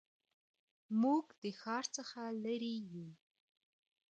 موږ د ښار څخه لرې یو